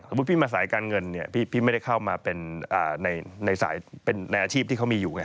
พี่มาสายการเงินเนี่ยพี่ไม่ได้เข้ามาเป็นในอาชีพที่เขามีอยู่ไง